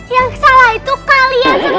yang salah itu kalian